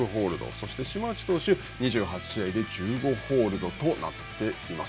そして、島内投手は２８試合で１５ホールドとなっています。